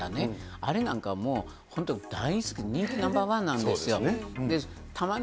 あれなんかもう、本当大好き、人気ナンバー１なんですよね。